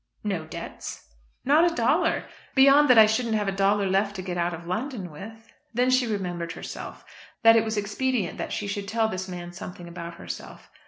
"No debts?" "Not a dollar. Beyond that I shouldn't have a dollar left to get out of London with." Then she remembered herself, that it was expedient that she should tell this man something about herself.